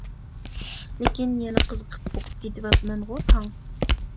لېكىن يەنە قىزىقىپ ئوقۇپ كېتىۋاتىمەنغۇ تاڭ.